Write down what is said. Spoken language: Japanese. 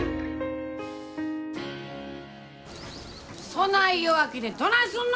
・そない弱気でどないすんの！